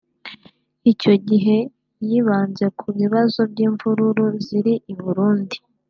Icyo gihe yibanze ku bibazo by’imvururu ziri i Burundi